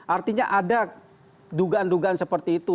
artinya ada dugaan dugaan seperti itu